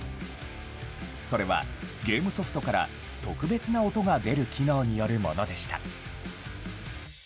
それは、ゲームソフトから特別な音が出る機能によるものでした。